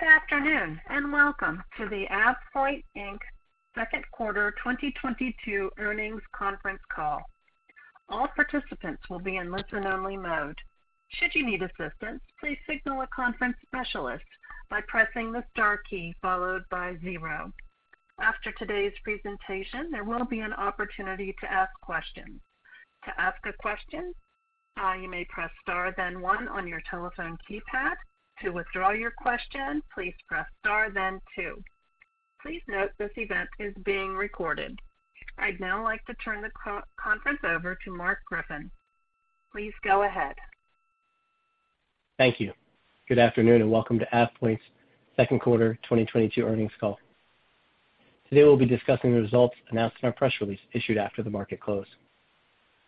Good afternoon, and welcome to the AvePoint, Inc. second quarter 2022 earnings conference call. All participants will be in listen-only mode. Should you need assistance, please signal a conference specialist by pressing the star key followed by zero. After today's presentation, there will be an opportunity to ask questions. To ask a question, you may press star then one on your telephone keypad. To withdraw your question, please press star then two. Please note this event is being recorded. I'd now like to turn the conference over to Marc Griffin. Please go ahead. Thank you. Good afternoon, and welcome to AvePoint's second quarter 2022 earnings call. Today we'll be discussing the results announced in our press release issued after the market closed.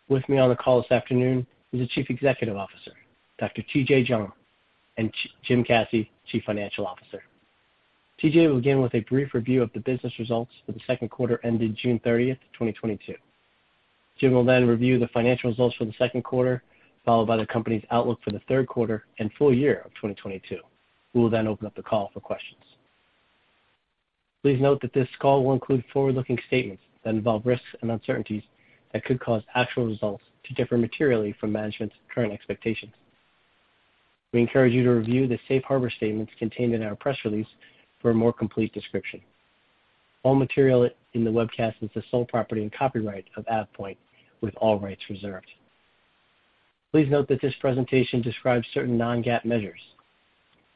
With me on the call this afternoon is the Chief Executive Officer, Dr. TJ Jiang, and Jim Caci, Chief Financial Officer. TJ will begin with a brief review of the business results for the second quarter ended June 30th, 2022. Jim will then review the financial results for the second quarter, followed by the company's outlook for the third quarter and full year of 2022. We will then open up the call for questions. Please note that this call will include forward-looking statements that involve risks and uncertainties that could cause actual results to differ materially from management's current expectations. We encourage you to review the safe harbor statements contained in our press release for a more complete description. All material in the webcast is the sole property and copyright of AvePoint, with all rights reserved. Please note that this presentation describes certain non-GAAP measures,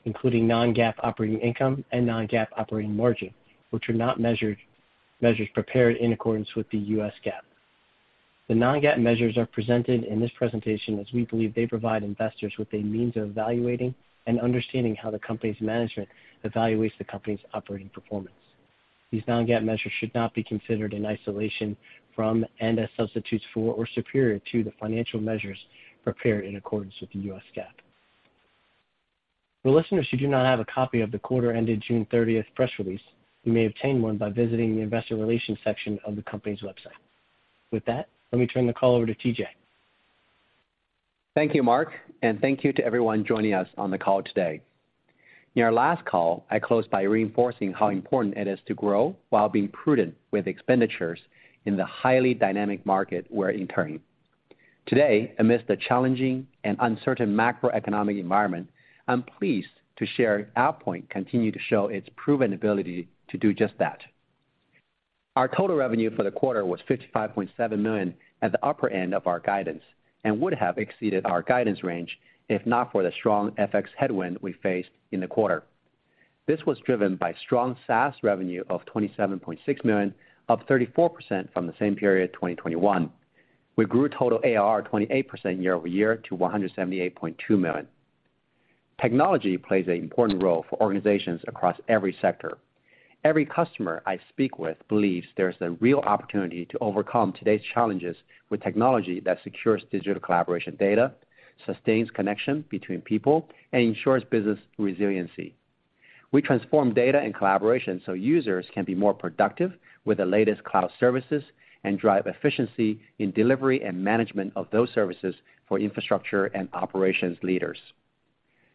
including non-GAAP operating income and non-GAAP operating margin, which are not GAAP measures prepared in accordance with the U.S. GAAP. The non-GAAP measures are presented in this presentation as we believe they provide investors with a means of evaluating and understanding how the company's management evaluates the company's operating performance. These non-GAAP measures should not be considered in isolation from and as substitutes for or superior to the financial measures prepared in accordance with the U.S. GAAP. For listeners who do not have a copy of the quarter ended June 30th press release, you may obtain one by visiting the investor relations section of the company's website. With that, let me turn the call over to TJ. Thank you, Marc, and thank you to everyone joining us on the call today. In our last call, I closed by reinforcing how important it is to grow while being prudent with expenditures in the highly dynamic market we're entering. Today, amidst the challenging and uncertain macroeconomic environment, I'm pleased to share AvePoint continue to show its proven ability to do just that. Our total revenue for the quarter was $55.7 million at the upper end of our guidance and would have exceeded our guidance range if not for the strong FX headwind we faced in the quarter. This was driven by strong SaaS revenue of $27.6 million, up 34% from the same period 2021. We grew total ARR 28% year-over-year to $178.2 million. Technology plays an important role for organizations across every sector. Every customer I speak with believes there's a real opportunity to overcome today's challenges with technology that secures digital collaboration data, sustains connection between people, and ensures business resiliency. We transform data and collaboration so users can be more productive with the latest cloud services and drive efficiency in delivery and management of those services for infrastructure and operations leaders.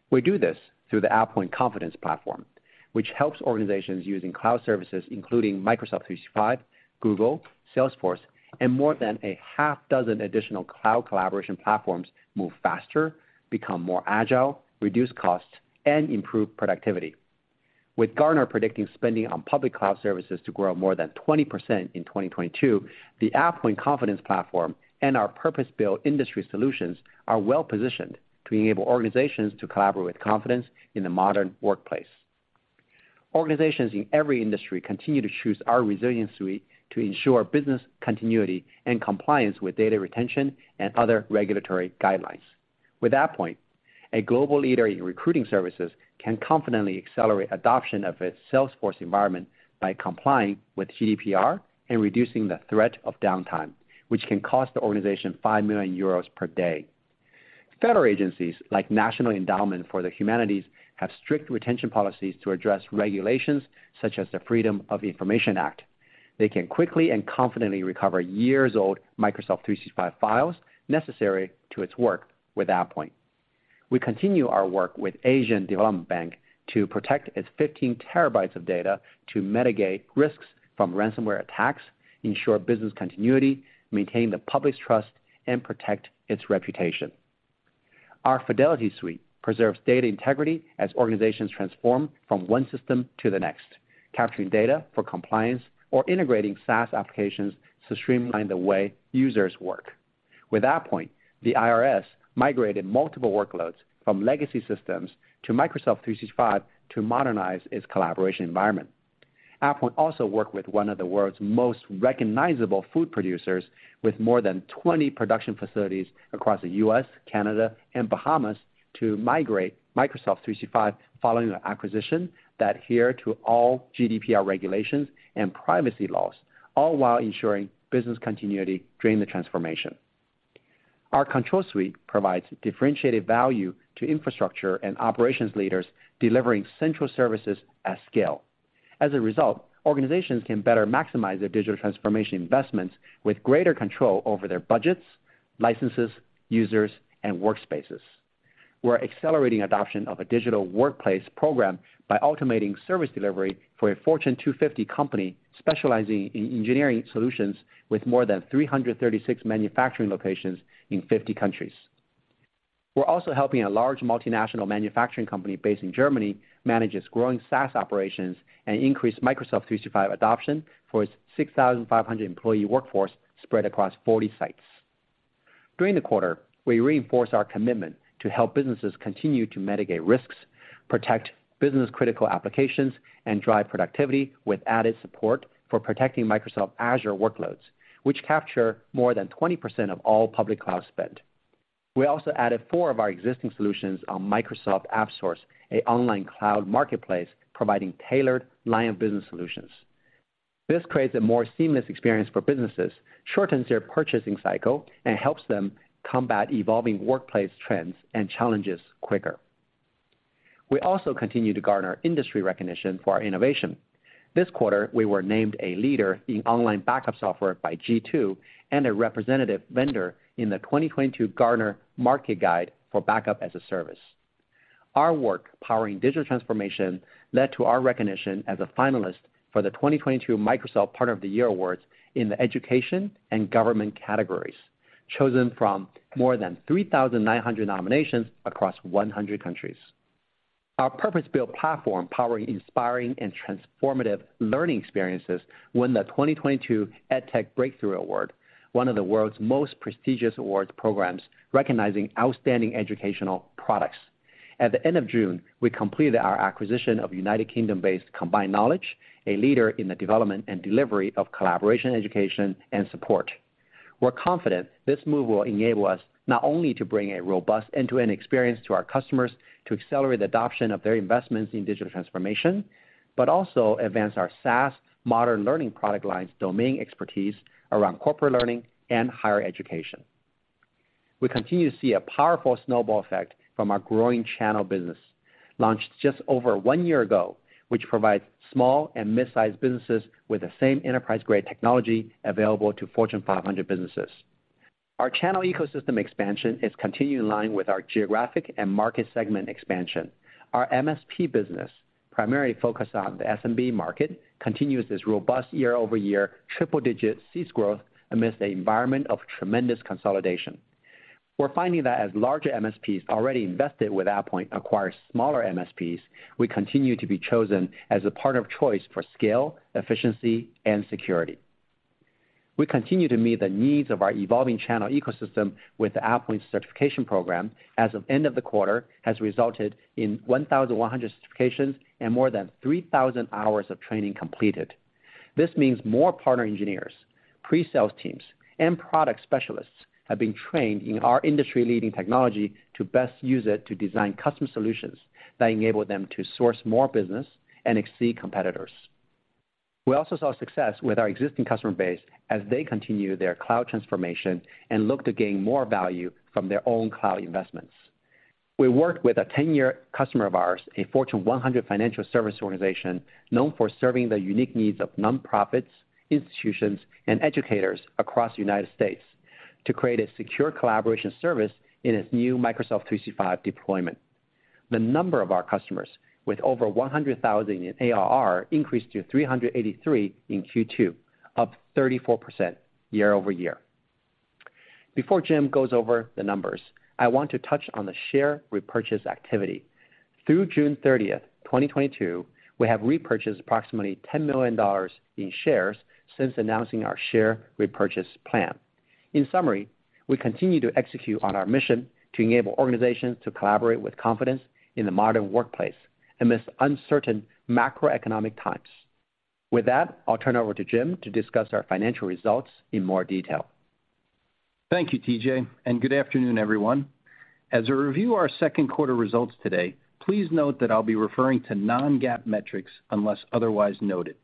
We do this through the AvePoint Confidence Platform, which helps organizations using cloud services, including Microsoft 365, Google, Salesforce, and more than a half dozen additional cloud collaboration platforms, move faster, become more agile, reduce costs, and improve productivity. With Gartner predicting spending on public cloud services to grow more than 20% in 2022, the AvePoint Confidence Platform and our purpose-built industry solutions are well-positioned to enable organizations to collaborate with confidence in the modern workplace. Organizations in every industry continue to choose our resiliency to ensure business continuity and compliance with data retention and other regulatory guidelines. With AvePoint, a global leader in recruiting services can confidently accelerate adoption of its Salesforce environment by complying with GDPR and reducing the threat of downtime, which can cost the organization 5 million euros per day. Federal agencies like National Endowment for the Humanities have strict retention policies to address regulations such as the Freedom of Information Act. They can quickly and confidently recover years-old Microsoft 365 files necessary to its work with AvePoint. We continue our work with Asian Development Bank to protect its 15 TB of data to mitigate risks from ransomware attacks, ensure business continuity, maintain the public's trust, and protect its reputation. Our Resilience Suite preserves data integrity as organizations transform from one system to the next, capturing data for compliance or integrating SaaS applications to streamline the way users work. With AvePoint, the IRS migrated multiple workloads from legacy systems to Microsoft 365 to modernize its collaboration environment. AvePoint also worked with one of the world's most recognizable food producers with more than 20 production facilities across the U.S., Canada, and Bahamas to migrate Microsoft 365 following an acquisition that adhere to all GDPR regulations and privacy laws, all while ensuring business continuity during the transformation. Our Control Suite provides differentiated value to infrastructure and operations leaders delivering central services at scale. As a result, organizations can better maximize their digital transformation investments with greater control over their budgets, licenses, users, and workspaces. We're accelerating adoption of a digital workplace program by automating service delivery for a Fortune 250 company specializing in engineering solutions with more than 336 manufacturing locations in 50 countries. We're also helping a large multinational manufacturing company based in Germany manage its growing SaaS operations and increase Microsoft 365 adoption for its 6,500 employee workforce spread across 40 sites. During the quarter, we reinforced our commitment to help businesses continue to mitigate risks, protect business-critical applications, and drive productivity with added support for protecting Microsoft Azure workloads, which capture more than 20% of all public cloud spend. We also added four of our existing solutions on Microsoft AppSource, an online cloud marketplace providing tailored line of business solutions. This creates a more seamless experience for businesses, shortens their purchasing cycle, and helps them combat evolving workplace trends and challenges quicker. We also continue to garner industry recognition for our innovation. This quarter, we were named a leader in online backup software by G2, and a representative vendor in the 2022 Gartner Market Guide for Backup as a Service. Our work powering digital transformation led to our recognition as a finalist for the 2022 Microsoft Partner of the Year Awards in the education and government categories, chosen from more than 3,900 nominations across 100 countries. Our purpose-built platform powering inspiring and transformative learning experiences won the 2022 EdTech Breakthrough Award, one of the world's most prestigious awards programs recognizing outstanding educational products. At the end of June, we completed our acquisition of United Kingdom-based Combined Knowledge, a leader in the development and delivery of collaboration, education, and support. We're confident this move will enable us not only to bring a robust end-to-end experience to our customers to accelerate the adoption of their investments in digital transformation, but also advance our SaaS modern learning product line's domain expertise around corporate learning and higher education. We continue to see a powerful snowball effect from our growing channel business, launched just over one year ago, which provides small and mid-sized businesses with the same enterprise-grade technology available to Fortune 500 businesses. Our channel ecosystem expansion is continuing in line with our geographic and market segment expansion. Our MSP business, primarily focused on the SMB market, continues this robust year-over-year triple-digit sales growth amidst an environment of tremendous consolidation. We're finding that as larger MSPs already invested with AvePoint acquire smaller MSPs, we continue to be chosen as a partner of choice for scale, efficiency, and security. We continue to meet the needs of our evolving channel ecosystem with the AvePoint certification program. As of end of the quarter, it has resulted in 1,100 certifications and more than 3,000 hours of training completed. This means more partner engineers, pre-sales teams, and product specialists have been trained in our industry-leading technology to best use it to design custom solutions that enable them to source more business and exceed competitors. We also saw success with our existing customer base as they continue their cloud transformation and look to gain more value from their own cloud investments. We worked with a ten-year customer of ours, a Fortune 100 financial service organization known for serving the unique needs of nonprofits, institutions, and educators across the United States, to create a secure collaboration service in its new Microsoft 365 deployment. The number of our customers with over $100,000 in ARR increased to 383 in Q2, up 34% year-over-year. Before Jim goes over the numbers, I want to touch on the share repurchase activity. Through June 30th, 2022, we have repurchased approximately $10 million in shares since announcing our share repurchase plan. In summary, we continue to execute on our mission to enable organizations to collaborate with confidence in the modern workplace amidst uncertain macroeconomic times. With that, I'll turn it over to Jim to discuss our financial results in more detail. Thank you, TJ, and good afternoon, everyone. As I review our second quarter results today, please note that I'll be referring to non-GAAP metrics unless otherwise noted.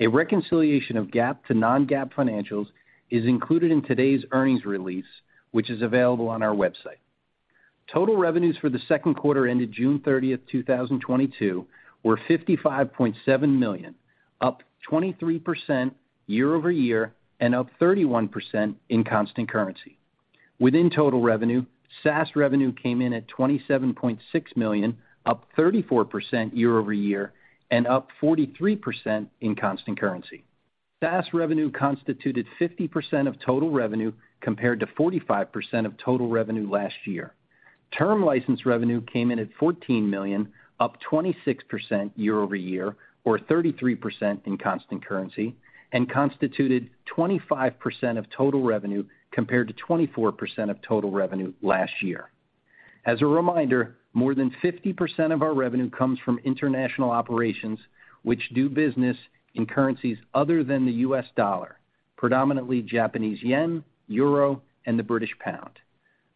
A reconciliation of GAAP to non-GAAP financials is included in today's earnings release, which is available on our website. Total revenues for the second quarter ended June 30th, 2022 were $55.7 million, up 23% year-over-year and up 31% in constant currency. Within total revenue, SaaS revenue came in at $27.6 million, up 34% year-over-year and up 43% in constant currency. SaaS revenue constituted 50% of total revenue, compared to 45% of total revenue last year. Term license revenue came in at $14 million, up 26% year-over-year, or 33% in constant currency, and constituted 25% of total revenue compared to 24% of total revenue last year. As a reminder, more than 50% of our revenue comes from international operations, which do business in currencies other than the U.S. dollar, predominantly Japanese yen, euro, and the British pound.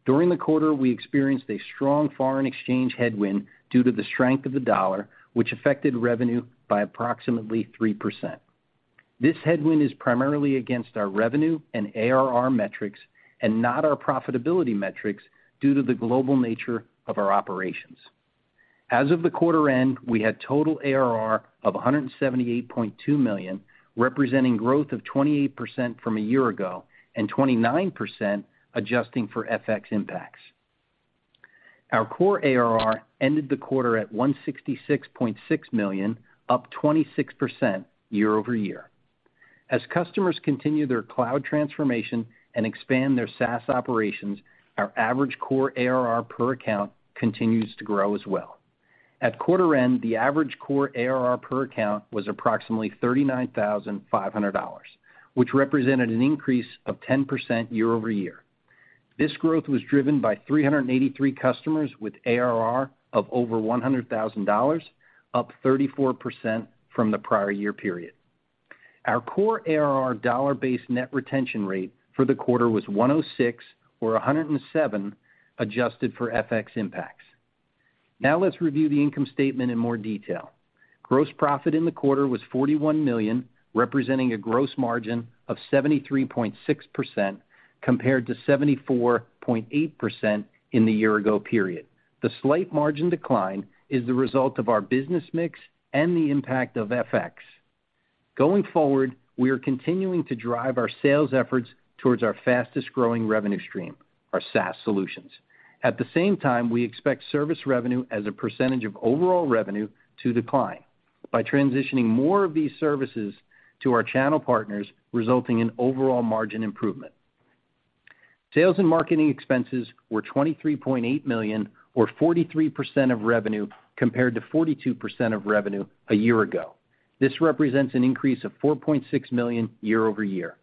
During the quarter, we experienced a strong foreign exchange headwind due to the strength of the dollar, which affected revenue by approximately 3%. This headwind is primarily against our revenue and ARR metrics and not our profitability metrics due to the global nature of our operations. As of the quarter end, we had total ARR of $178.2 million, representing growth of 28% from a year ago and 29% adjusting for FX impacts. Our core ARR ended the quarter at $166.6 million, up 26% year-over-year. As customers continue their cloud transformation and expand their SaaS operations, our average core ARR per account continues to grow as well. At quarter end, the average core ARR per account was approximately $39,500, which represented an increase of 10% year-over-year. This growth was driven by 383 customers with ARR of over $100,000, up 34% from the prior year period. Our core ARR dollar-based net retention rate for the quarter was 106% or 107% adjusted for FX impacts. Now, let's review the income statement in more detail. Gross profit in the quarter was $41 million, representing a gross margin of 73.6% compared to 74.8% in the year-ago period. The slight margin decline is the result of our business mix and the impact of FX. Going forward, we are continuing to drive our sales efforts towards our fastest-growing revenue stream, our SaaS solutions. At the same time, we expect service revenue as a percentage of overall revenue to decline by transitioning more of these services to our channel partners, resulting in overall margin improvement. Sales and marketing expenses were $23.8 million or 43% of revenue compared to 42% of revenue a year ago. This represents an increase of $4.6 million year-over-year.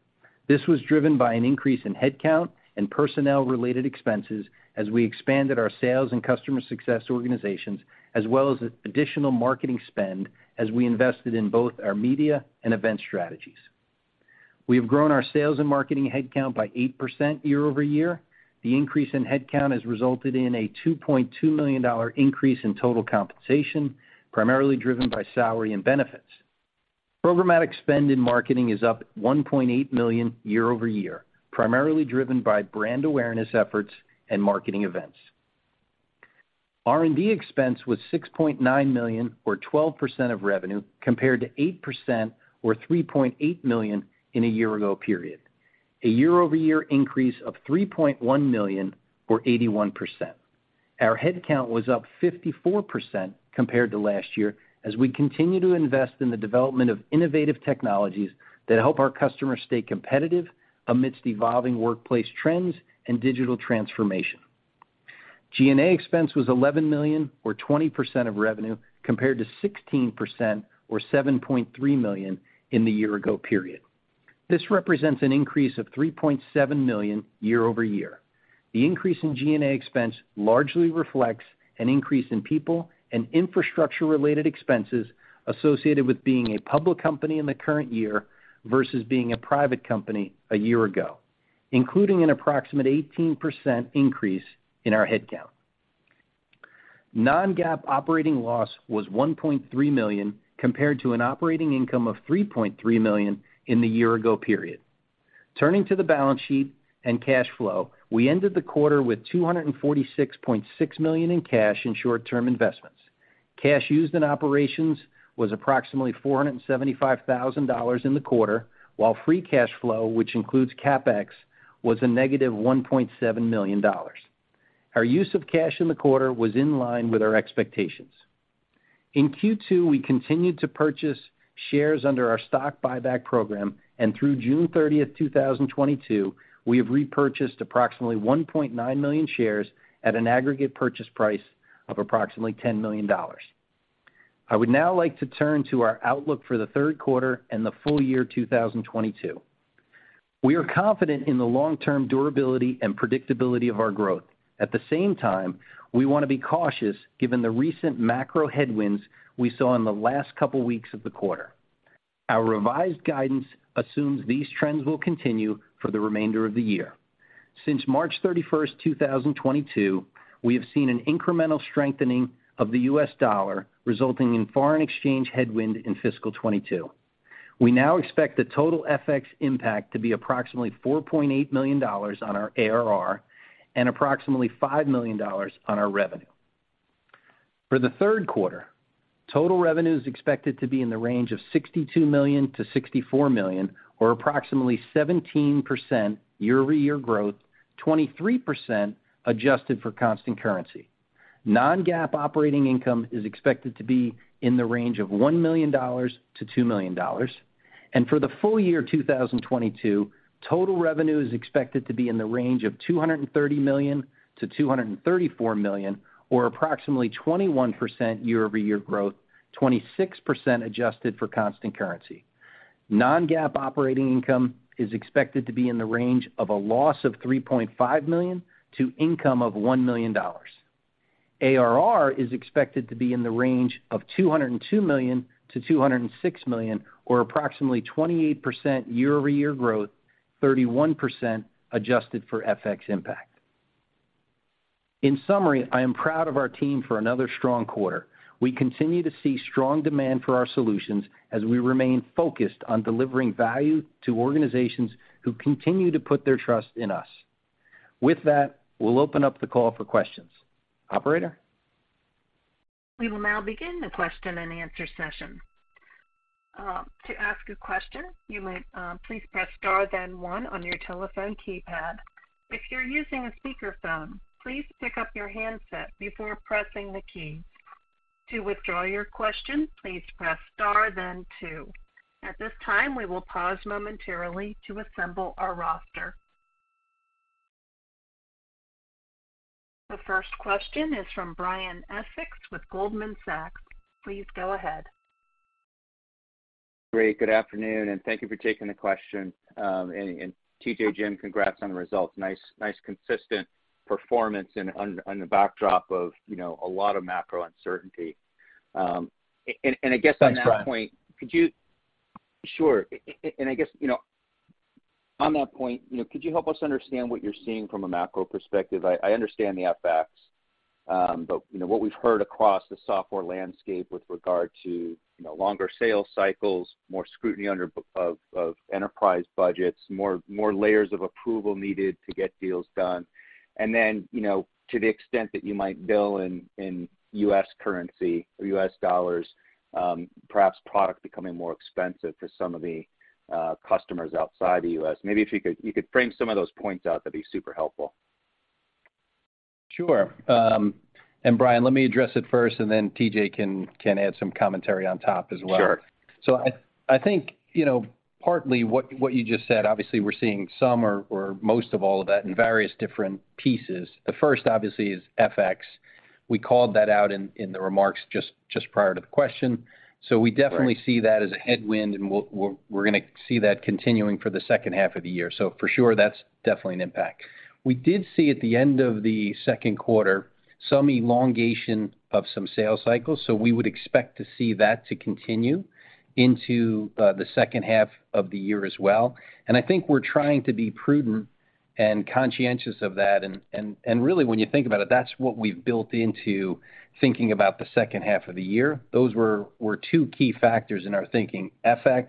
This was driven by an increase in headcount and personnel-related expenses as we expanded our sales and customer success organizations as well as additional marketing spend as we invested in both our media and event strategies. We have grown our sales and marketing headcount by 8% year-over-year. The increase in headcount has resulted in a $2.2 million increase in total compensation, primarily driven by salary and benefits. Programmatic spend in marketing is up $1.8 million year-over-year, primarily driven by brand awareness efforts and marketing events. R&D expense was $6.9 million or 12% of revenue compared to 8% or $3.8 million in a year ago period. A year-over-year increase of $3.1 million or 81%. Our headcount was up 54% compared to last year as we continue to invest in the development of innovative technologies that help our customers stay competitive amidst evolving workplace trends and digital transformation. G&A expense was $11 million or 20% of revenue compared to 16% or $7.3 million in the year ago period. This represents an increase of $3.7 million year over year. The increase in G&A expense largely reflects an increase in people and infrastructure-related expenses associated with being a public company in the current year versus being a private company a year ago, including an approximate 18% increase in our headcount. Non-GAAP operating loss was $1.3 million compared to an operating income of $3.3 million in the year ago period. Turning to the balance sheet and cash flow, we ended the quarter with $246.6 million in cash and short-term investments. Cash used in operations was approximately $475,000 in the quarter, while free cash flow, which includes CapEx, was a negative $1.7 million. Our use of cash in the quarter was in line with our expectations. In Q2, we continued to purchase shares under our stock buyback program, and through June 30th, 2022, we have repurchased approximately 1.9 million shares at an aggregate purchase price of approximately $10 million. I would now like to turn to our outlook for the third quarter and the full year 2022. We are confident in the long-term durability and predictability of our growth. At the same time, we wanna be cautious given the recent macro headwinds we saw in the last couple weeks of the quarter. Our revised guidance assumes these trends will continue for the remainder of the year. Since March 31st, 2022, we have seen an incremental strengthening of the U.S. dollar, resulting in foreign exchange headwind in fiscal 2022. We now expect the total FX impact to be approximately $4.8 million on our ARR and approximately $5 million on our revenue. For the third quarter, total revenue is expected to be in the range of $62 million-$64 million or approximately 17% year-over-year growth, 23% adjusted for constant currency. Non-GAAP operating income is expected to be in the range of $1 million-$2 million. For the full year 2022, total revenue is expected to be in the range of $230 million-$234 million or approximately 21% year-over-year growth, 26% adjusted for constant currency. non-GAAP operating income is expected to be in the range of a loss of $3.5 million to income of $1 million. ARR is expected to be in the range of $202 million-$206 million or approximately 28% year-over-year growth, 31% adjusted for FX impact. In summary, I am proud of our team for another strong quarter. We continue to see strong demand for our solutions as we remain focused on delivering value to organizations who continue to put their trust in us. With that, we'll open up the call for questions. Operator? We will now begin the question and answer session. To ask a question, you might please press star, then one on your telephone keypad. If you're using a speakerphone, please pick up your handset before pressing the key. To withdraw your question, please press star then two. At this time, we will pause momentarily to assemble our roster. The first question is from Brian Essex with Goldman Sachs. Please go ahead. Great, good afternoon, and thank you for taking the question. TJ, Jim, congrats on the results. Nice consistent performance on the backdrop of, you know, a lot of macro uncertainty. I guess on that point- Thanks, Brian. Sure. I guess, you know, on that point, you know, could you help us understand what you're seeing from a macro perspective? I understand the FX, but, you know, what we've heard across the software landscape with regard to, you know, longer sales cycles, more scrutiny of enterprise budgets, more layers of approval needed to get deals done. Then, you know, to the extent that you might bill in U.S. currency or U.S. dollars, perhaps product becoming more expensive for some of the customers outside the U.S. Maybe if you could bring some of those points out, that'd be super helpful. Sure. Brian, let me address it first, and then TJ can add some commentary on top as well. Sure. I think, you know, partly what you just said, obviously we're seeing some or most of all of that in various different pieces. The first obviously is FX. We called that out in the remarks just prior to the question. Right. We definitely see that as a headwind, and we're gonna see that continuing for the second half of the year. For sure, that's definitely an impact. We did see at the end of the second quarter some elongation of some sales cycles, so we would expect to see that to continue into the second half of the year as well. I think we're trying to be prudent and conscientious of that, and really when you think about it, that's what we've built into thinking about the second half of the year. Those were two key factors in our thinking. FX,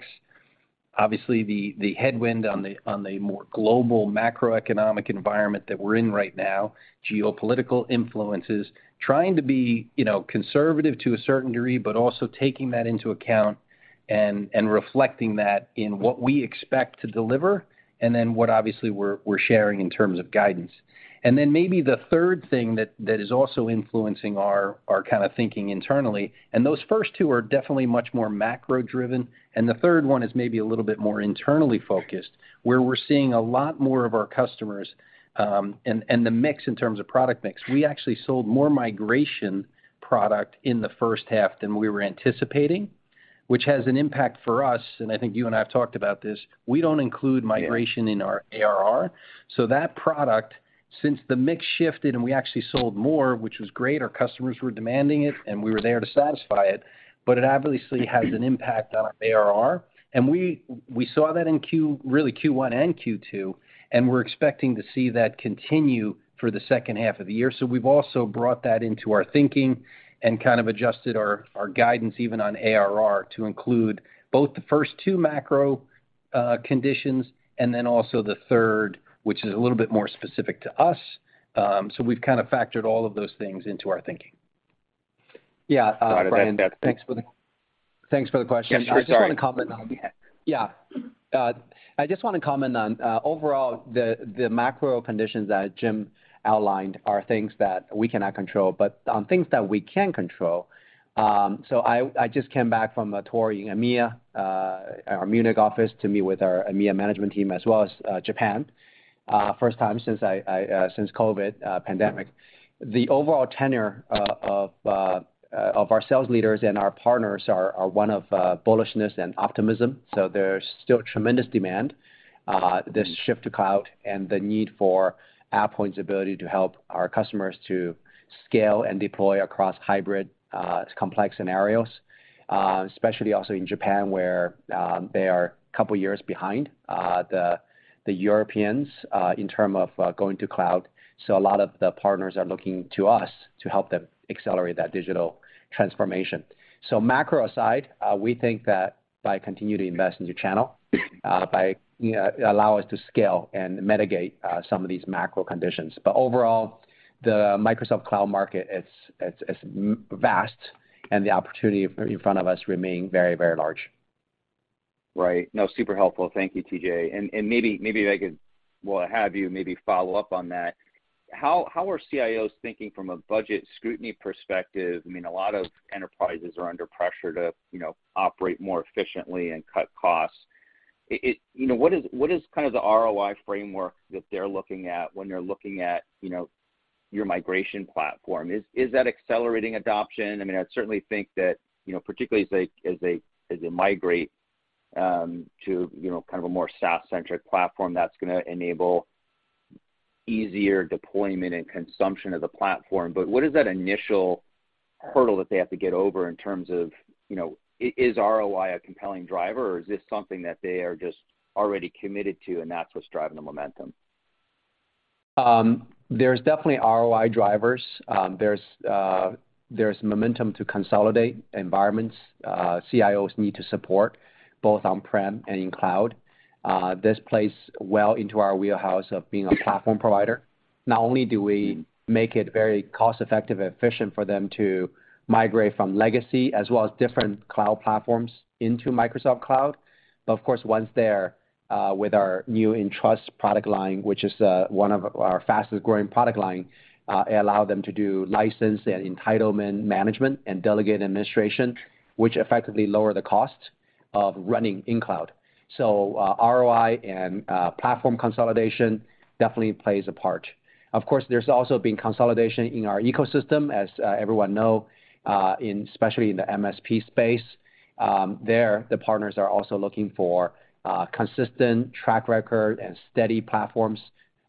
obviously the headwind on the more global macroeconomic environment that we're in right now, geopolitical influences. Trying to be, you know, conservative to a certain degree, but also taking that into account and reflecting that in what we expect to deliver and then what obviously we're sharing in terms of guidance. Then maybe the third thing that is also influencing our kind of thinking internally, and those first two are definitely much more macro-driven, and the third one is maybe a little bit more internally focused, where we're seeing a lot more of our customers and the mix in terms of product mix. We actually sold more migration product in the first half than we were anticipating, which has an impact for us, and I think you and I have talked about this. We don't include migration- Yeah. in our ARR. That product, since the mix shifted, and we actually sold more, which was great, our customers were demanding it, and we were there to satisfy it, but it obviously has an impact on our ARR. We saw that in Q1 and Q2, and we're expecting to see that continue through the second half of the year. We've also brought that into our thinking and kind of adjusted our guidance even on ARR to include both the first two macro conditions and then also the third, which is a little bit more specific to us. We've kind of factored all of those things into our thinking. Yeah, Brian- Sorry about that. Thanks for the question. Yeah, sure. Sorry. I just want to comment on overall, the macro conditions that Jim outlined are things that we cannot control. On things that we can control, I just came back from a tour in EMEA, our Munich office to meet with our EMEA management team as well as Japan, first time since COVID pandemic. The overall tenor of our sales leaders and our partners are one of bullishness and optimism. There's still tremendous demand, this shift to cloud and the need for AvePoint's ability to help our customers to scale and deploy across hybrid, complex scenarios, especially also in Japan, where they are a couple years behind, the Europeans, in terms of going to cloud. A lot of the partners are looking to us to help them accelerate that digital transformation. Macro aside, we think that by continuing to invest in the channel allow us to scale and mitigate some of these macro conditions. Overall, the Microsoft Cloud market, it's vast, and the opportunity in front of us remain very, very large. Right. No, super helpful. Thank you, TJ. Maybe we'll have you maybe follow up on that. How are CIOs thinking from a budget scrutiny perspective? I mean, a lot of enterprises are under pressure to, you know, operate more efficiently and cut costs. It, you know, what is kind of the ROI framework that they're looking at when they're looking at, you know, your migration platform? Is that accelerating adoption? I mean, I'd certainly think that, you know, particularly as they migrate to, you know, kind of a more SaaS-centric platform, that's gonna enable easier deployment and consumption of the platform. But what is that initial hurdle that they have to get over in terms of, you know, is ROI a compelling driver, or is this something that they are just already committed to, and that's what's driving the momentum? There's definitely ROI drivers. There's momentum to consolidate environments. CIOs need to support both on-prem and in cloud. This plays well into our wheelhouse of being a platform provider. Not only do we make it very cost-effective efficient for them to migrate from legacy as well as different cloud platforms into Microsoft Cloud, but of course, once there, with our new EnPower product line, which is one of our fastest-growing product line, it allow them to do license and entitlement management and delegate administration, which effectively lower the cost of running in cloud. ROI and platform consolidation definitely plays a part. Of course, there's also been consolidation in our ecosystem as everyone know, in especially in the MSP space. The partners are also looking for consistent track record and steady platforms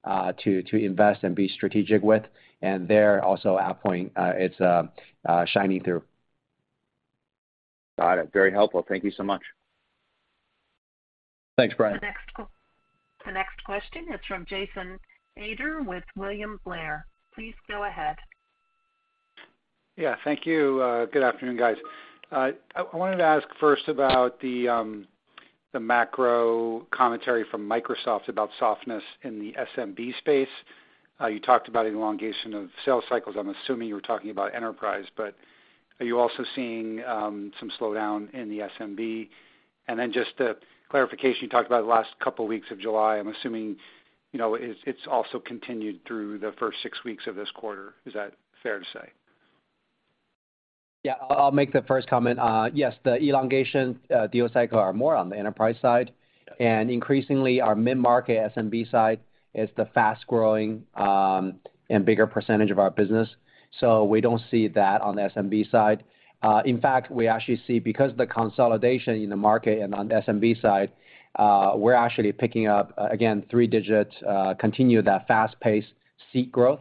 to invest and be strategic with. That's also AvePoint, it's shining through. Got it. Very helpful. Thank you so much. Thanks, Brian. The next question is from Jason Ader with William Blair, please go ahead. Yeah, thank you. Good afternoon, guys. I wanted to ask first about the macro commentary from Microsoft about softness in the SMB space. You talked about elongation of sales cycles. I'm assuming you were talking about enterprise, but are you also seeing some slowdown in the SMB? And then just a clarification, you talked about the last couple weeks of July. I'm assuming you know it's also continued through the first six weeks of this quarter. Is that fair to say? Yeah. I'll make the first comment. Yes, the elongation, deal cycle are more on the enterprise side. Yeah. Increasingly our mid-market SMB side is the fast-growing, and bigger percentage of our business, so we don't see that on the SMB side. In fact, we actually see because of the consolidation in the market and on the SMB side, we're actually picking up, again, three digits, continue that fast pace seat growth.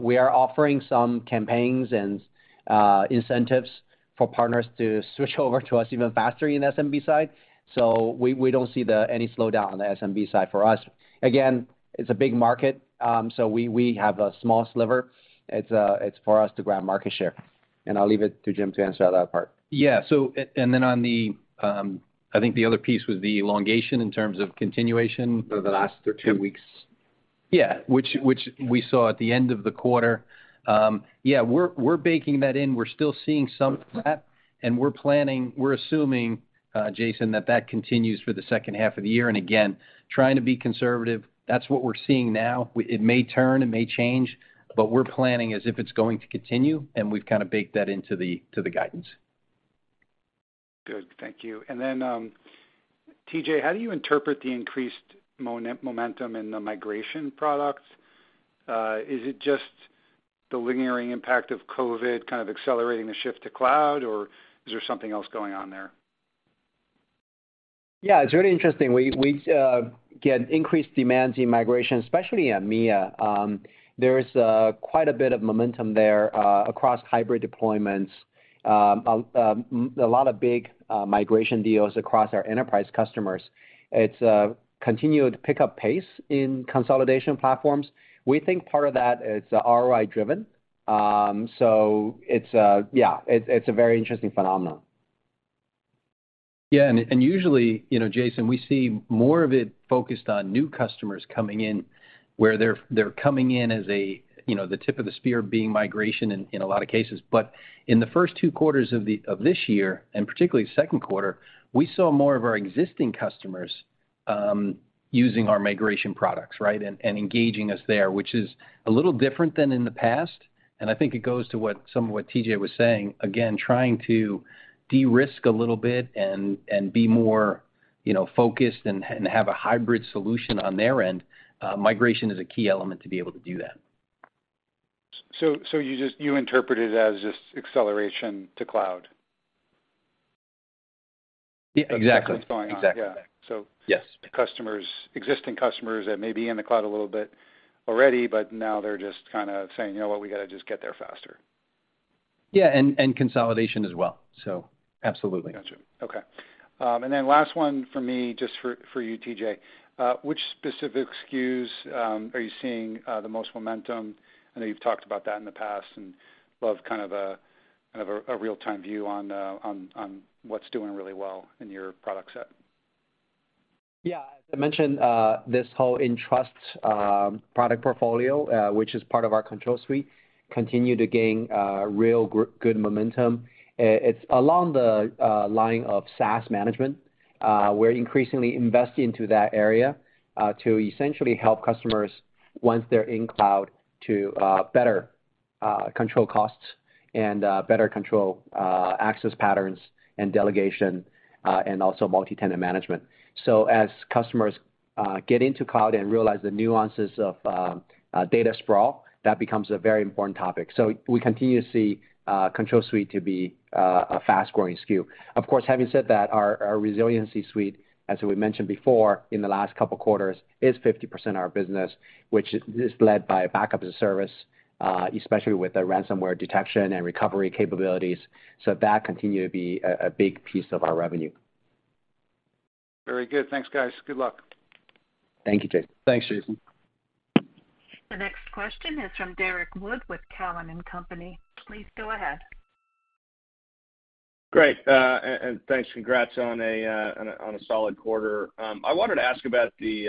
We are offering some campaigns and, incentives for partners to switch over to us even faster in SMB side. We don't see any slowdown on the SMB side for us. Again, it's a big market. We have a small sliver. It's for us to grab market share, and I'll leave it to Jim to answer that part. Yeah. On the, I think, the other piece was the elongation in terms of continuation. For the last two weeks. Yeah. Which we saw at the end of the quarter. Yeah, we're baking that in. We're still seeing some of that, and we're planning, we're assuming, Jason, that continues for the second half of the year. Again, trying to be conservative. That's what we're seeing now. It may turn, it may change, but we're planning as if it's going to continue, and we've kind of baked that into the guidance. Good. Thank you. TJ, how do you interpret the increased momentum in the migration products? Is it just the lingering impact of COVID kind of accelerating the shift to cloud, or is there something else going on there? Yeah, it's really interesting. We get increased demands in migration, especially in EMEA. There's quite a bit of momentum there across hybrid deployments. A lot of big migration deals across our enterprise customers. It's continued to pick up pace in consolidation platforms. We think part of that is ROI driven. It's a very interesting phenomenon. Yeah. Usually, you know, Jason, we see more of it focused on new customers coming in, where they're coming in as a, you know, the tip of the spear being migration in a lot of cases. In the first two quarters of this year, and particularly second quarter, we saw more of our existing customers using our migration products, right? Engaging us there, which is a little different than in the past, and I think it goes to what some of what TJ was saying, again, trying to de-risk a little bit and be more, you know, focused and have a hybrid solution on their end. Migration is a key element to be able to do that. You interpret it as just acceleration to cloud? Yeah. Exactly. That's what's going on. Exactly. Yeah. Yes. Customers, existing customers that may be in the cloud a little bit already, but now they're just kind of saying, "You know what? We gotta just get there faster. Yeah, and consolidation as well. Absolutely. Got you. Okay. Last one for me, just for you, TJ. Which specific SKUs are you seeing the most momentum? I know you've talked about that in the past and love kind of a real-time view on what's doing really well in your product set? Yeah. As I mentioned, this whole EnPower product portfolio, which is part of our Control Suite, continue to gain real good momentum. It's along the line of SaaS Management. We're increasingly investing into that area to essentially help customers once they're in cloud to better control costs and better control access patterns and delegation and also multi-tenant management. As customers get into cloud and realize the nuances of data sprawl, that becomes a very important topic. We continue to see Control Suite to be a fast-growing SKU. Of course, having said that, our Resilience Suite, as we mentioned before, in the last couple quarters, is 50% of our business, which is led by Backup as a Service, especially with the ransomware detection and recovery capabilities. That continue to be a big piece of our revenue. Very good. Thanks, guys. Good luck. Thank you, Jason. Thanks, Jason. The next question is from Derrick Wood with Cowen and Company. Please go ahead. Great. Thanks. Congrats on a solid quarter. I wanted to ask about the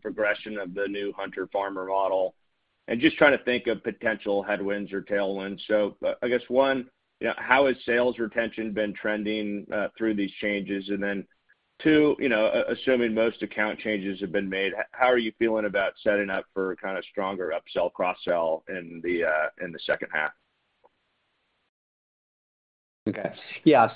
progression of the new hunter/farmer model and just trying to think of potential headwinds or tailwinds. I guess one, you know, how is sales retention been trending through these changes? Two, you know, assuming most account changes have been made, how are you feeling about setting up for kinda stronger upsell, cross-sell in the second half? Okay. Yeah,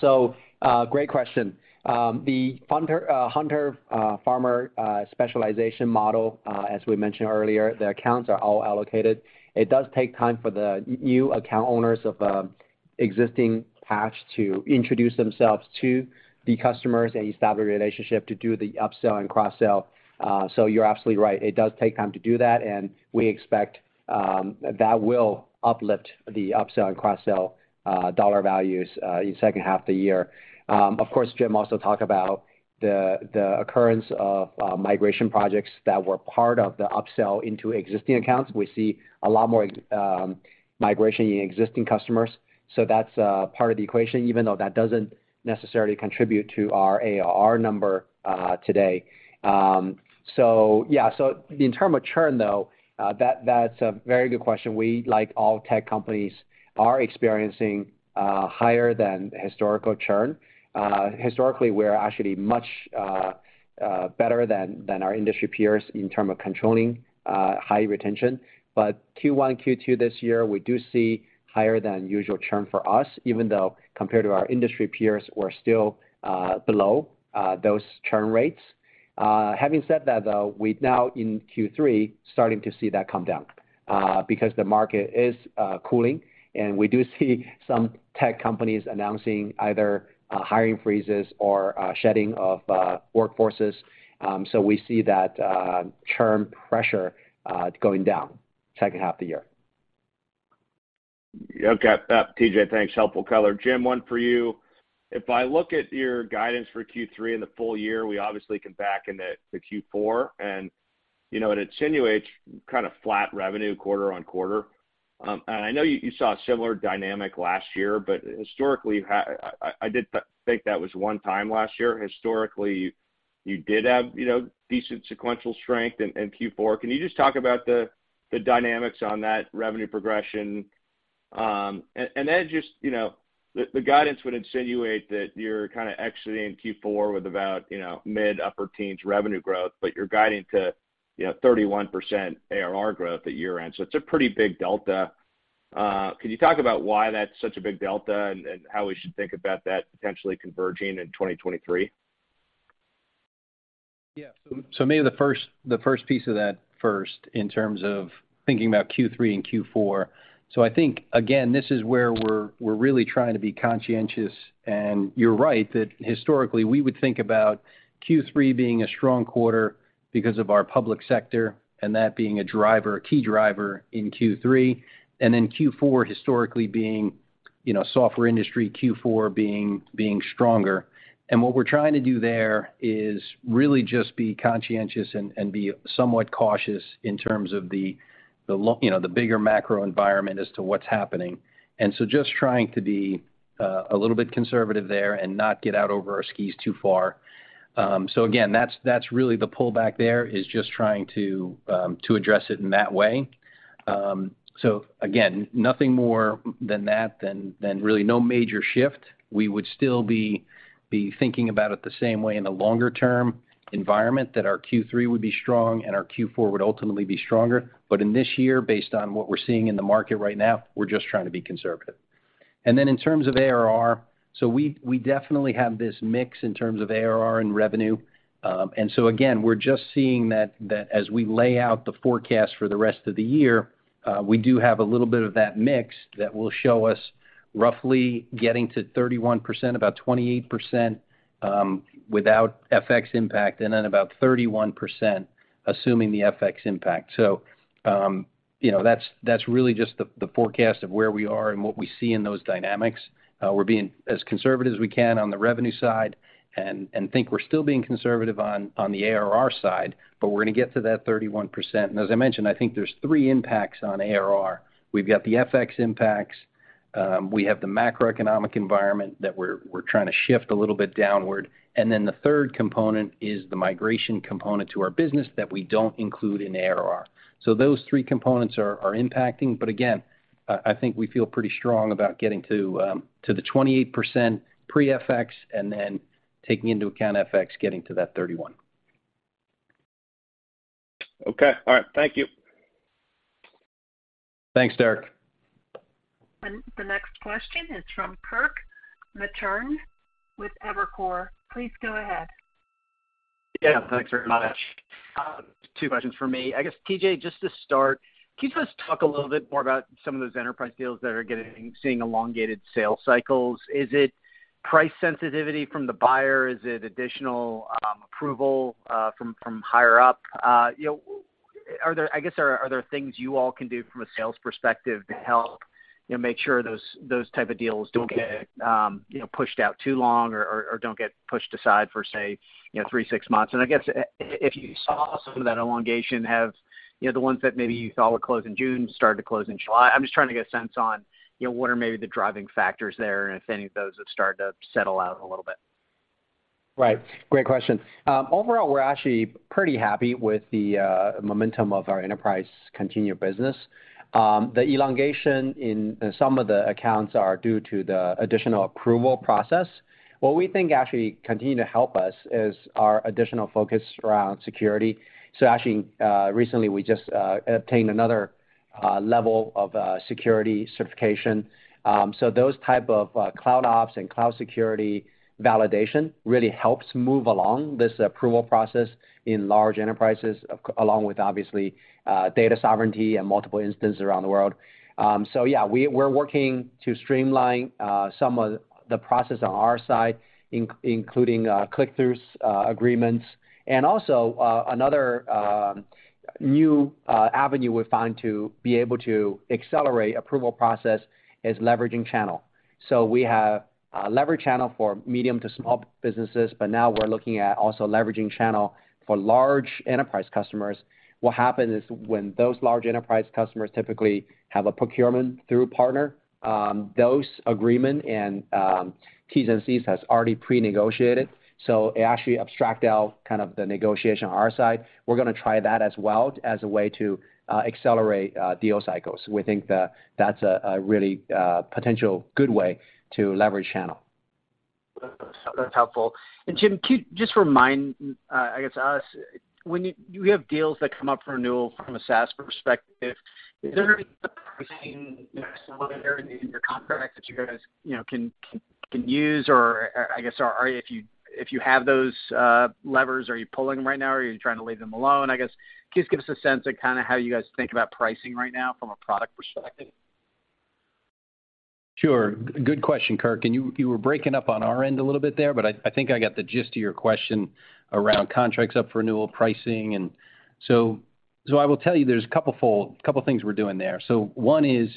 great question. The hunter-farmer specialization model, as we mentioned earlier, the accounts are all allocated. It does take time for the new account owners of existing base to introduce themselves to the customers and establish a relationship to do the upsell and cross-sell. You're absolutely right. It does take time to do that, and we expect that will uplift the upsell and cross-sell dollar values in second half of the year. Of course, Jim also talked about the occurrence of migration projects that were part of the upsell into existing accounts. We see a lot more migration in existing customers. That's part of the equation, even though that doesn't necessarily contribute to our ARR number today. Yeah. In terms of churn, though, that's a very good question. We, like all tech companies, are experiencing higher than historical churn. Historically, we're actually much better than our industry peers in terms of controlling high retention. Q1, Q2 this year, we do see higher than usual churn for us, even though compared to our industry peers, we're still below those churn rates. Having said that, though, we've now in Q3 starting to see that come down because the market is cooling, and we do see some tech companies announcing either hiring freezes or shedding of workforces. We see that churn pressure going down second half of the year. Okay. TJ, thanks. Helpful color. Jim, one for you. If I look at your guidance for Q3 and the full year, we obviously can back into Q4, and, you know, it insinuates kind of flat revenue quarter-over-quarter. I know you saw a similar dynamic last year, but historically, I did think that was one-time last year. Historically, you did have, you know, decent sequential strength in Q4. Can you just talk about the dynamics on that revenue progression? Then just, you know, the guidance would insinuate that you're kinda exiting Q4 with about, you know, mid- to upper-teens revenue growth, but you're guiding to, you know, 31% ARR growth at year-end. It's a pretty big delta. Could you talk about why that's such a big delta and how we should think about that potentially converging in 2023? Yeah. Maybe the first piece of that first in terms of thinking about Q3 and Q4. I think, again, this is where we're really trying to be conscientious, and you're right, that historically, we would think about Q3 being a strong quarter because of our public sector and that being a driver, a key driver in Q3, and then Q4 historically being, you know, software industry, Q4 being stronger. What we're trying to do there is really just be conscientious and be somewhat cautious in terms of you know, the bigger macro environment as to what's happening. Just trying to be a little bit conservative there and not get out over our skis too far. Again, that's really the pullback there, is just trying to address it in that way. Again, nothing more than that, really no major shift. We would still be thinking about it the same way in the longer-term environment that our Q3 would be strong and our Q4 would ultimately be stronger. In this year, based on what we're seeing in the market right now, we're just trying to be conservative. In terms of ARR, we definitely have this mix in terms of ARR and revenue. Again, we're just seeing that as we lay out the forecast for the rest of the year, we do have a little bit of that mix that will show us roughly getting to 31%, about 28%, without FX impact, and then about 31% assuming the FX impact. You know, that's really just the forecast of where we are and what we see in those dynamics. We're being as conservative as we can on the revenue side and think we're still being conservative on the ARR side, but we're gonna get to that 31%. As I mentioned, I think there's three impacts on ARR. We've got the FX impacts. We have the macroeconomic environment that we're trying to shift a little bit downward. Then the third component is the migration component to our business that we don't include in ARR. Those three components are impacting, but again, I think we feel pretty strong about getting to the 28% pre-FX and then taking into account FX getting to that 31%. Okay. All right. Thank you. Thanks, Derrick. The next question is from Kirk Materne with Evercore. Please go ahead. Yeah. Thanks very much. Two questions from me. I guess, TJ, just to start, can you just talk a little bit more about some of those enterprise deals that are seeing elongated sales cycles? Is it price sensitivity from the buyer? Is it additional approval from higher up? Are there, I guess, things you all can do from a sales perspective to help, you know, make sure those type of deals don't get pushed out too long or don't get pushed aside for say, you know, three, six months? I guess, if you saw some of that elongation have, you know, the ones that maybe you thought would close in June start to close in July. I'm just trying to get a sense on, you know, what are maybe the driving factors there, and if any of those have started to settle out a little bit? Right. Great question. Overall, we're actually pretty happy with the momentum of our enterprise continued business. The elongation in some of the accounts are due to the additional approval process. What we think actually continue to help us is our additional focus around security. Actually, recently, we just obtained another level of security certification. So those type of cloud ops and cloud security validation really helps move along this approval process in large enterprises, along with obviously data sovereignty and multiple instances around the world. So yeah, we're working to streamline some of the process on our side, including click-throughs agreements. Also, another new avenue we found to be able to accelerate approval process is leveraging channel. We have leverage channel for medium to small businesses, but now we're looking at also leveraging channel for large enterprise customers. What happens is when those large enterprise customers typically have a procurement through a partner, those agreement and T&Cs has already prenegotiated, so it actually abstract out kind of the negotiation on our side. We're gonna try that as well as a way to accelerate deal cycles. We think that that's a really potential good way to leverage channel. That's helpful. Jim, can you just remind, I guess us, do you have deals that come up for renewal from a SaaS perspective? Is there anything similar in your contract that you guys can use? I guess, if you have those levers, are you pulling them right now or are you trying to leave them alone? I guess, just give us a sense of kinda how you guys think about pricing right now from a product perspective? Sure. Good question, Kirk. You were breaking up on our end a little bit there, but I think I got the gist of your question around contracts up for renewal pricing. I will tell you there's a couple things we're doing there. One is,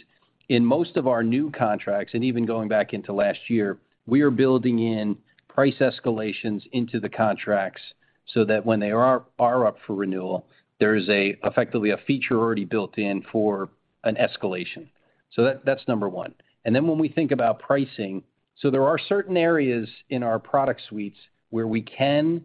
in most of our new contracts, and even going back into last year, we are building in price escalations into the contracts so that when they are up for renewal, there is effectively a feature already built in for an escalation. That’s number one. Then when we think about pricing, there are certain areas in our product suites where we can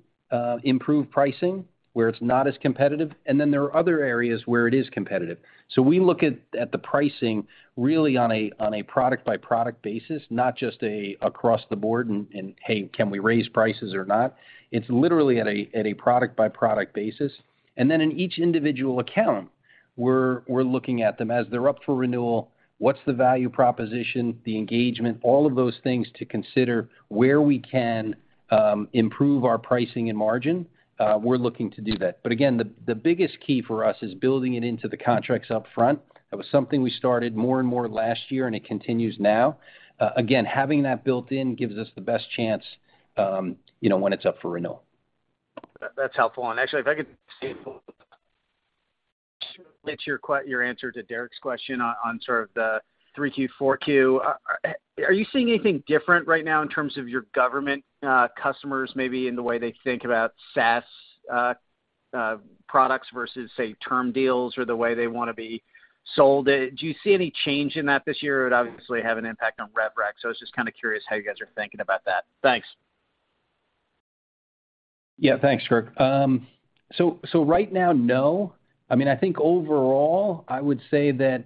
improve pricing, where it's not as competitive, and then there are other areas where it is competitive. We look at the pricing really on a product-by-product basis, not just across the board and, "Hey, can we raise prices or not?" It's literally at a product-by-product basis. Then in each individual account, we're looking at them as they're up for renewal, what's the value proposition, the engagement, all of those things to consider where we can improve our pricing and margin, we're looking to do that. Again, the biggest key for us is building it into the contracts up front. That was something we started more and more last year, and it continues now. Again, having that built in gives us the best chance, you know, when it's up for renewal. That's helpful. Actually, if I could steer your answer to Derek's question on sort of the 3Q, 4Q. Are you seeing anything different right now in terms of your government customers, maybe in the way they think about SaaS products versus, say, term deals or the way they wanna be sold? Do you see any change in that this year? It would obviously have an impact on Revenue Recognition. I was just kind of curious how you guys are thinking about that. Thanks. Yeah. Thanks, Kirk. Right now, no. I mean, I think overall, I would say that,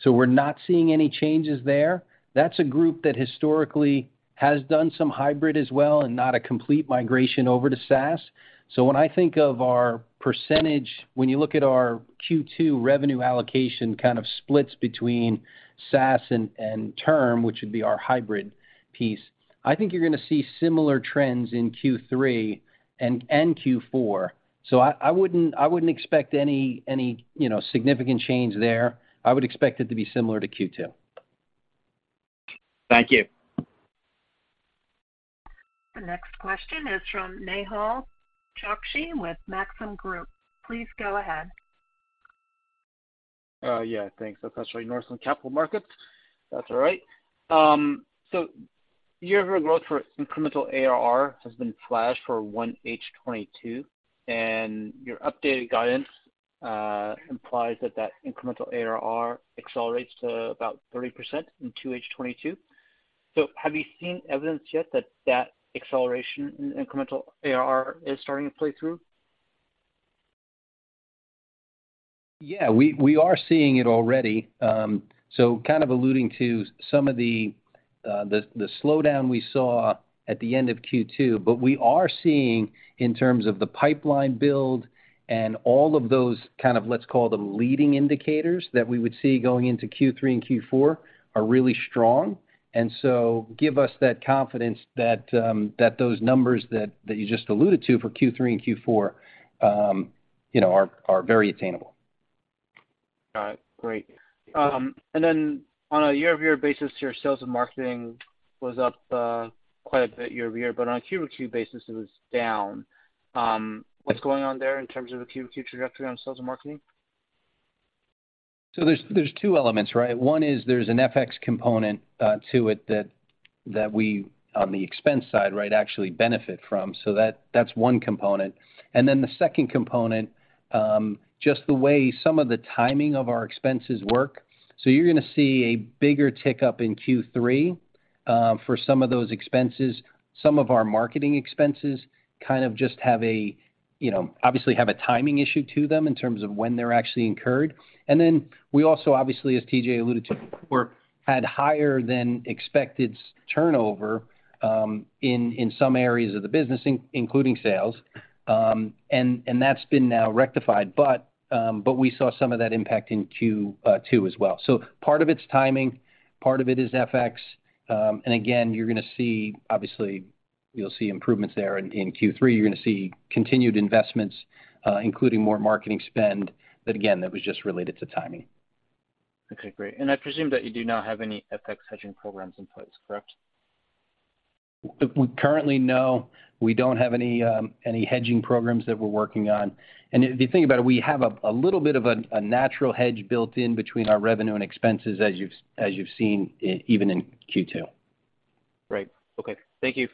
so we're not seeing any changes there. That's a group that historically has done some hybrid as well and not a complete migration over to SaaS. When I think of our percentage, when you look at our Q2 revenue allocation kind of splits between SaaS and term, which would be our hybrid piece, I think you're gonna see similar trends in Q3 and Q4. I wouldn't expect any, you know, significant change there. I would expect it to be similar to Q2. Thank you. The next question is from Nehal Chokshi with Maxim Group. Please go ahead. Yeah, thanks. That's actually Northland Capital Markets, if that's all right. Year-over-year growth for incremental ARR has been flat for 1H 2022, and your updated guidance implies that that incremental ARR accelerates to about 30% in 2H 2022. Have you seen evidence yet that that acceleration in incremental ARR is starting to play through? Yeah. We are seeing it already. So kind of alluding to some of the slowdown we saw at the end of Q2, but we are seeing in terms of the pipeline build and all of those kind of, let's call them leading indicators that we would see going into Q3 and Q4 are really strong, and so give us that confidence that those numbers that you just alluded to for Q3 and Q4, you know, are very attainable. Got it. Great. On a year-over-year basis, your sales and marketing was up quite a bit year-over-year, but on a QoQ basis, it was down. What's going on there in terms of a QoQ trajectory on sales and marketing? There's two elements, right? One is there's an FX component to it that we, on the expense side, right, actually benefit from. That's one component. Then the second component, just the way some of the timing of our expenses work. You're gonna see a bigger tick up in Q3 for some of those expenses. Some of our marketing expenses kind of just you know, obviously have a timing issue to them in terms of when they're actually incurred. Then we also obviously, as TJ alluded to before, had higher than expected turnover in some areas of the business, including sales. And that's been now rectified, but we saw some of that impact in Q2 as well. Part of it's timing, part of it is FX. Again, you're gonna see, obviously you'll see improvements there in Q3. You're gonna see continued investments, including more marketing spend, but again, that was just related to timing. Okay, great. I presume that you do not have any FX hedging programs in place, correct? We don't have any hedging programs that we're working on. If you think about it, we have a little bit of a natural hedge built in between our revenue and expenses, as you've seen even in Q2. Right. Okay. Thank you.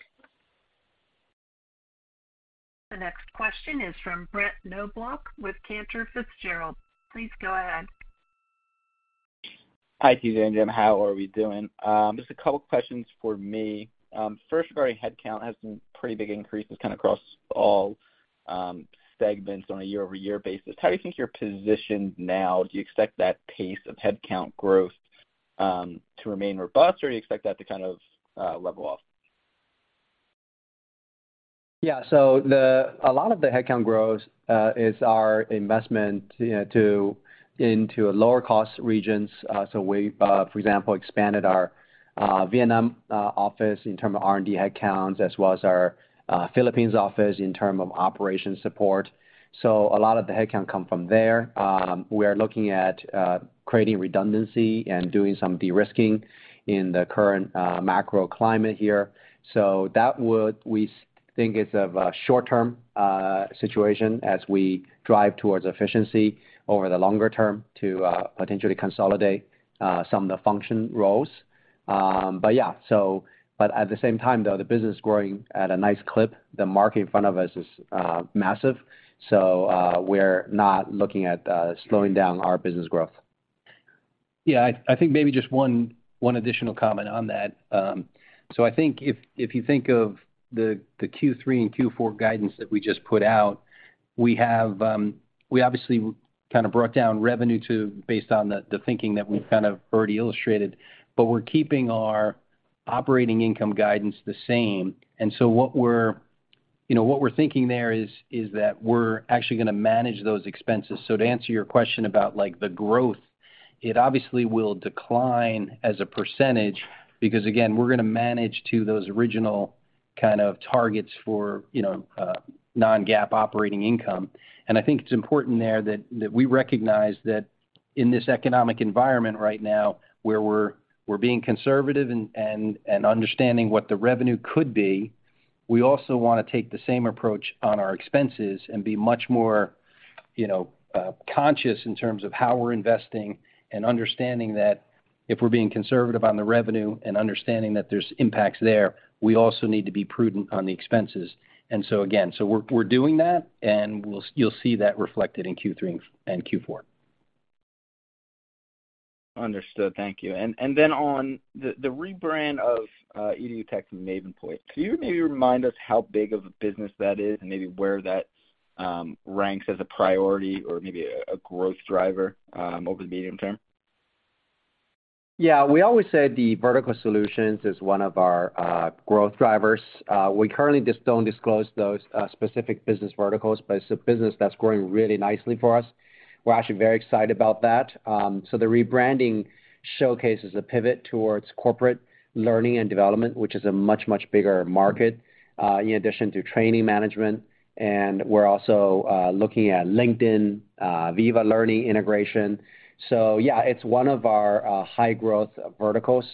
The next question is from Brett Knoblauch with Cantor Fitzgerald. Please go ahead. Hi, TJ and Jim. How are we doing? Just a couple questions for me. First regarding headcount, had some pretty big increases kind of across all segments on a year-over-year basis. How do you think you're positioned now? Do you expect that pace of headcount growth to remain robust, or you expect that to kind of level off? A lot of the headcount growth is our investment, you know, into lower cost regions. For example, we expanded our Vietnam office in terms of R&D headcount as well as our Philippines office in terms of operations support. A lot of the headcount comes from there. We are looking at creating redundancy and doing some de-risking in the current macro climate here. We think it's a short-term situation as we drive towards efficiency over the longer term to potentially consolidate some of the functional roles. But yeah, at the same time though, the business is growing at a nice clip. The market in front of us is massive. We're not looking at slowing down our business growth. Yeah. I think maybe just one additional comment on that. I think if you think of the Q3 and Q4 guidance that we just put out, we obviously kind of broke down revenue too based on the thinking that we've kind of already illustrated, but we're keeping our operating income guidance the same. What we're thinking there is that we're actually gonna manage those expenses. To answer your question about like the growth, it obviously will decline as a percentage because again, we're gonna manage to those original kind of targets for non-GAAP operating income. I think it's important there that we recognize that in this economic environment right now where we're being conservative and understanding what the revenue could be, we also wanna take the same approach on our expenses and be much more, you know, conscious in terms of how we're investing and understanding that if we're being conservative on the revenue and understanding that there's impacts there, we also need to be prudent on the expenses. So again, we're doing that, and we'll you'll see that reflected in Q3 and Q4. Understood. Thank you. Then on the rebrand of EduTech and MaivenPoint, can you maybe remind us how big of a business that is and maybe where that ranks as a priority or maybe a growth driver over the medium term? Yeah. We always say the vertical solutions is one of our growth drivers. We currently just don't disclose those specific business verticals, but it's a business that's growing really nicely for us. We're actually very excited about that. The rebranding showcases a pivot towards corporate learning and development, which is a much, much bigger market in addition to training management. We're also looking at LinkedIn Viva Learning integration. Yeah, it's one of our high growth verticals.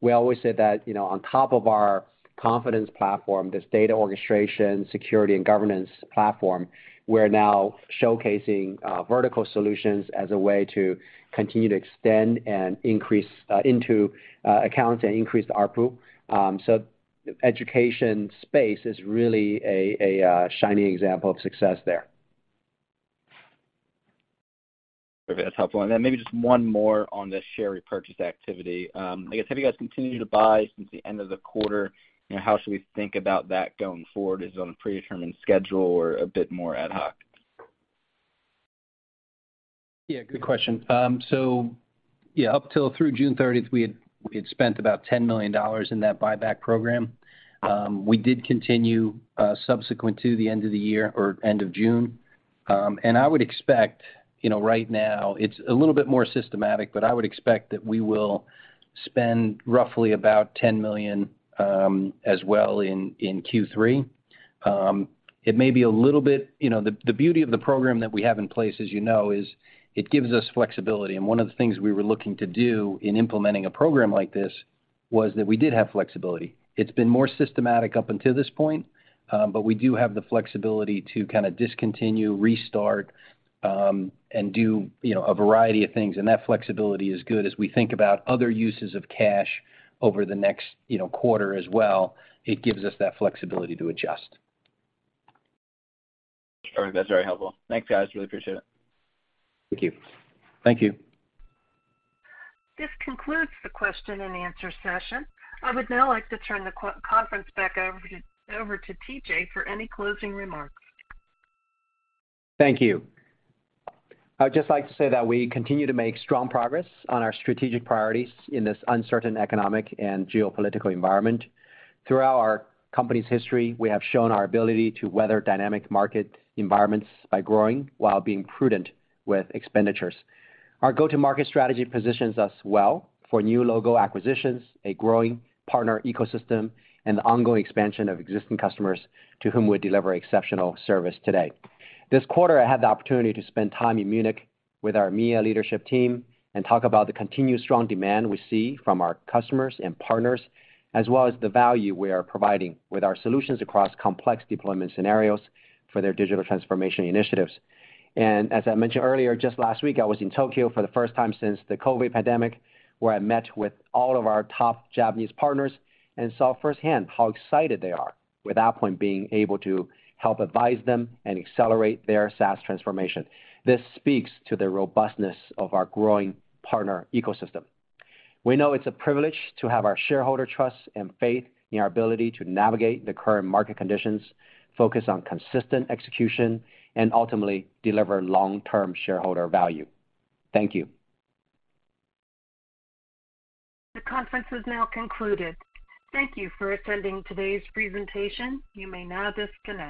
We always say that, you know, on top of our confidence platform, this data orchestration, security and governance platform, we're now showcasing vertical solutions as a way to continue to extend and increase into accounts and increase the ARPU. Education space is really a shining example of success there. Okay. That's helpful. Maybe just one more on the share repurchase activity. I guess, have you guys continued to buy since the end of the quarter? You know, how should we think about that going forward? Is it on a predetermined schedule or a bit more ad hoc? Yeah, good question. So yeah, up through June 30th, we had spent about $10 million in that buyback program. We did continue subsequent to the end of the year or end of June. I would expect, you know, right now it's a little bit more systematic, but I would expect that we will spend roughly about $10 million as well in Q3. It may be a little bit. You know, the beauty of the program that we have in place, as you know, is it gives us flexibility. One of the things we were looking to do in implementing a program like this was that we did have flexibility. It's been more systematic up until this point, but we do have the flexibility to kinda discontinue, restart, and do, you know, a variety of things. That flexibility is good as we think about other uses of cash over the next, you know, quarter as well. It gives us that flexibility to adjust. All right. That's very helpful. Thanks, guys. Really appreciate it. Thank you. Thank you. This concludes the question and answer session. I would now like to turn the conference back over to TJ for any closing remarks. Thank you. I'd just like to say that we continue to make strong progress on our strategic priorities in this uncertain economic and geopolitical environment. Throughout our company's history, we have shown our ability to weather dynamic market environments by growing while being prudent with expenditures. Our go-to-market strategy positions us well for new logo acquisitions, a growing partner ecosystem, and the ongoing expansion of existing customers to whom we deliver exceptional service today. This quarter, I had the opportunity to spend time in Munich with our EMEA leadership team and talk about the continued strong demand we see from our customers and partners, as well as the value we are providing with our solutions across complex deployment scenarios for their digital transformation initiatives. As I mentioned earlier, just last week I was in Tokyo for the first time since the COVID pandemic, where I met with all of our top Japanese partners and saw firsthand how excited they are with AvePoint being able to help advise them and accelerate their SaaS transformation. This speaks to the robustness of our growing partner ecosystem. We know it's a privilege to have our shareholder trust and faith in our ability to navigate the current market conditions, focus on consistent execution, and ultimately deliver long-term shareholder value. Thank you. The conference is now concluded. Thank you for attending today's presentation. You may now disconnect.